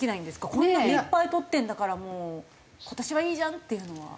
これだけいっぱいとってるんだからもう今年はいいじゃんっていうのは。